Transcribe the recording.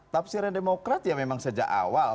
tafsiran demokrat ya memang sejak awal